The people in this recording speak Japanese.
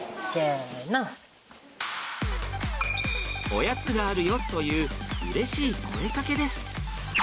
「おやつがあるよ」といううれしい声かけです。